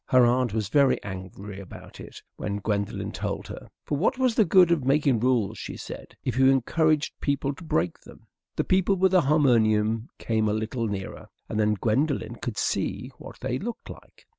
Her aunt was very angry about it when Gwendolen told her, for what was the good of making rules, she said, if you encouraged people to break them? The people with the harmonium came a little nearer, and then Gwendolen could see what they looked like.